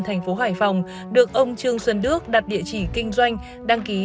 thành phố hải phòng được ông trương xuân đức đặt địa chỉ kinh doanh đăng ký